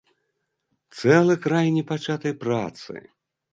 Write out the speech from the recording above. Цэлы край непачатай працы!